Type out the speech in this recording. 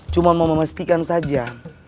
cuma mau memastikan saja